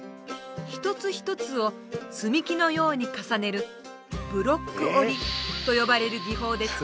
一つ一つを積み木のように重ねる「ブロック折り」と呼ばれる技法で作られています。